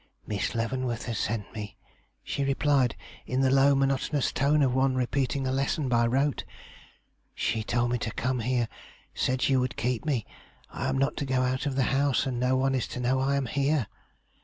'Miss Leavenworth has sent me,' she replied, in the low, monotonous tone of one repeating a lesson by rote. 'She told me to come here; said you would keep me. I am not to go out of the house, and no one is to know I am here.